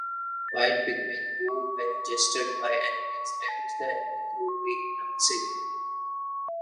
White Pikmin, who, when ingested by enemies, damage the enemy through being toxic.